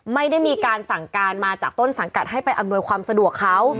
ไม่ได้มีการสั่งการมาจากต้นสังกัดให้ไปอำนวยความสะดวกเขา